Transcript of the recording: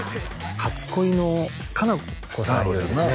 初恋のカナコさんよりですね